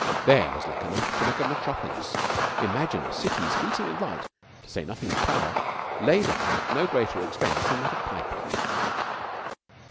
There was Luck enough to make a metropolis. Imagine a city's heating and light to say nothing of power laid on at no greater expense than that of piping!